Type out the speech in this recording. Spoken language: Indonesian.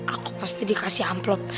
aku pasti dikasih amplop